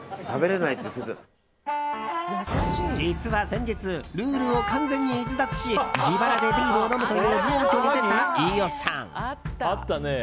実は先日ルールを完全に逸脱し自腹でビールを飲むという暴挙に出た、飯尾さん。